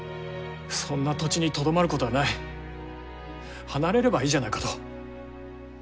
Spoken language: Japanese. そんな土地にとどまることはない離れればいいじゃないかと。